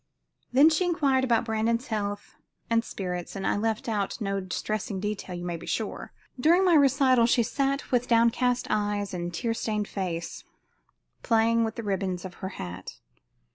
She then inquired about Brandon's health and spirits, and I left out no distressing detail you may be sure. During my recital she sat with downcast eyes and tear stained face, playing with the ribbons of her hat.